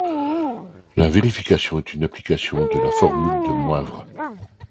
La vérification est une application de la formule de Moivre.